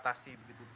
terima kasih begitu